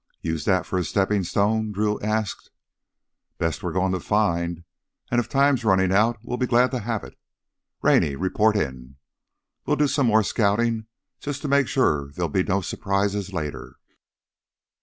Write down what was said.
"Use that for a steppin' stone?" Drew asked. "Best we're goin' to find. And if time's runnin' out, we'll be glad to have it. Rennie, report in. We'll do some more scoutin', just to make sure there'll be no surprises later."